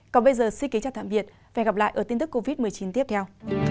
còn bây giờ xin kính chào tạm biệt và hẹn gặp lại ở tin tức covid một mươi chín tiếp theo